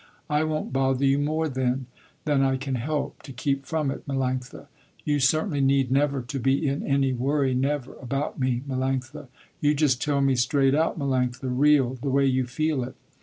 I won't bother you more then than I can help to keep from it Melanctha. You certainly need never to be in any worry, never, about me Melanctha. You just tell me straight out Melanctha, real, the way you feel it.